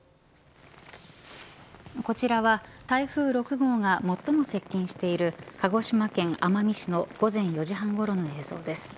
こちらは台風６号が最も接近している鹿児島県奄美市の午前４時半ごろの映像です。